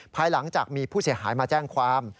ภายหลังจากมีผู้เสียหายมาแจ้งความ